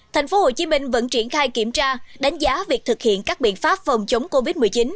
tp hcm vẫn triển khai kiểm tra đánh giá việc thực hiện các biện pháp phòng chống covid một mươi chín